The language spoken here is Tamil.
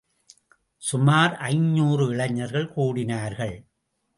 சுமார் ஐநூறு இளைஞர்கள் கூடினார்கள்.